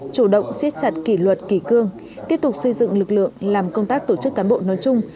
chủ động siết chặt kỷ luật kỷ cương tiếp tục xây dựng lực lượng làm công tác tổ chức cán bộ nói chung